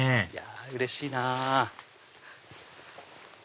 うれしいなぁ。